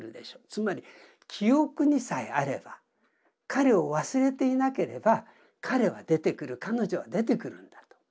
つまり記憶にさえあれば彼を忘れていなければ彼は出てくる彼女は出てくるんだと。